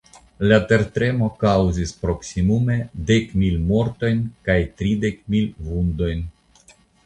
La tertremo kaŭzis proksimume dek mil mortojn kaj tridek mil vundojn.